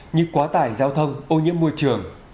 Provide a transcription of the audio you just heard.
như quá tải giao thông ô nhiễm môi trường